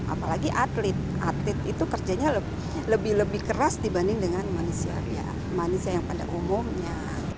apalagi atlet atlet itu kerjanya lebih lebih keras dibanding dengan manusia yang pada umumnya